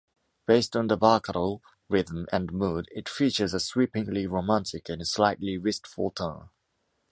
Based on the barcarolle rhythm and mood, it features a sweepingly romantic and slightly wistful tone.